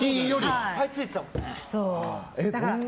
いっぱいついてたもんね。